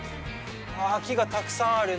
木がたくさんある。